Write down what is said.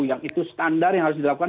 yang itu standar yang harus dilakukan